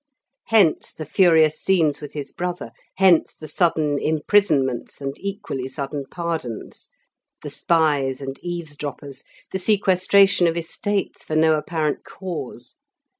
Hence the furious scenes with his brother; hence the sudden imprisonments and equally sudden pardons; the spies and eavesdroppers, the sequestration of estates for no apparent cause.